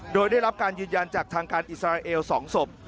โดยได้รับการยืนยันจากทางการอิสราเอล๒ศพ